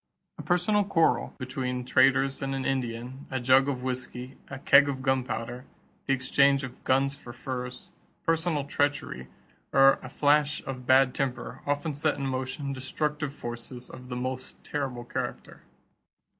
A personal quarrel between traders and an Indian, a jug of whisky, a keg of gunpowder, the exchange of guns for furs, personal treachery, or a flash of bad temper often set in motion destructive forces of the most terrible character.